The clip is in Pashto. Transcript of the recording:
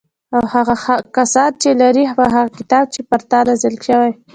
او هغه کسان چې لري په هغه کتاب چې پر تا نازل شوی